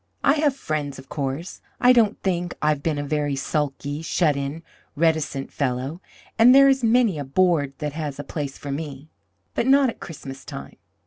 I have friends, of course; I don't think I've been a very sulky, shut in, reticent fellow; and there is many a board that has a place for me but not at Christmastime.